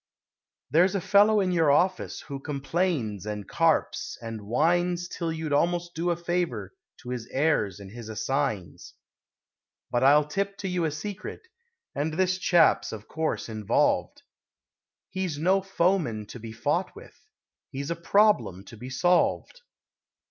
There's a fellow in your office Who complains and carps and whines Till you'd almost do a favor To his heirs and his assigns. But I'll tip you to a secret (And this chap's of course involved) He's no foeman to be fought with; He's a problem to be solved.